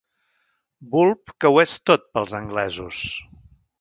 Bulb que ho és tot pels anglesos.